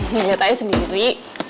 lihat aja sendiri